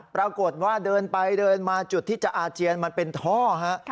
ปรากฏว่าเดินไปเดินมาจุดที่จะอาเจียนมันเป็นท่อฮะ